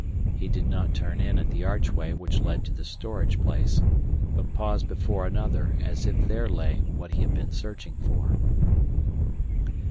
He did not turn in at the archway which led to the storage place, but paused before another as if there lay what he had been searching for.